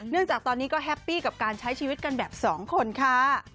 จากตอนนี้ก็แฮปปี้กับการใช้ชีวิตกันแบบสองคนค่ะ